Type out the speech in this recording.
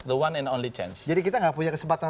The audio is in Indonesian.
the one and only change jadi kita nggak punya kesempatan